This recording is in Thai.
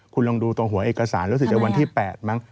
คุณลองดูตรงหัวเอกสารรู้สึกจะวันที่๘มั้ง